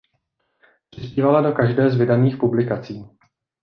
Přispívala do každé z vydaných publikací.